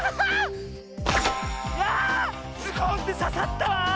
ズコンってささったわ！